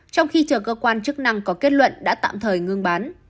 trong khi chờ cơ quan chức năng có kết luận đã tạm thời ngưng bán